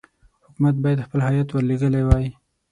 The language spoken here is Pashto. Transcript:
حکومت باید خپل هیات ورلېږلی وای.